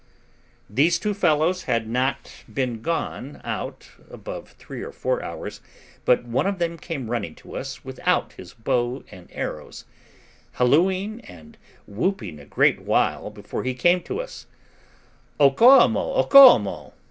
These two fellows had not been gone out above three or four hours, but one of them came running to us without his bow and arrows, hallooing and whooping a great while before he came at us, "Okoamo, okoamo!"